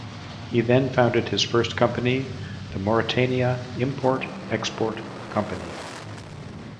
He then founded his first company, The Mauretania Import Export Company.